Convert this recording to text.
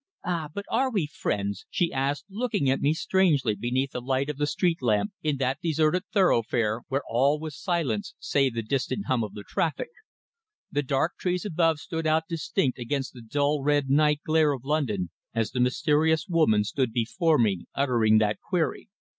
"Ah! but are we friends?" she asked, looking at me strangely beneath the light of the street lamp in that deserted thoroughfare, where all was silence save the distant hum of the traffic. The dark trees above stood out distinct against the dull red night glare of London, as the mysterious woman stood before me uttering that query.